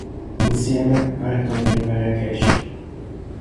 Insieme partono per Marrakech.